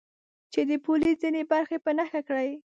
چې د پولې ځینې برخې په نښه کړي.